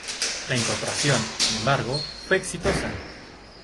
La incorporación, sin embargo, fue exitosa.